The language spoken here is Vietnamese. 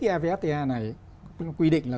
evfta này quy định là